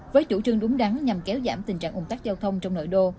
với chủ trương đúng đắn nhằm kéo giảm tình trạng ủng tắc giao thông trong nội đô